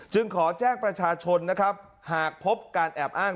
ขอแจ้งประชาชนนะครับหากพบการแอบอ้าง